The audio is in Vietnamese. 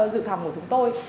dự phòng của chúng tôi